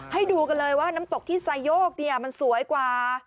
ให้ดูกันเลยว่าน้ำตกที่ไซโยกมันสวยกว่า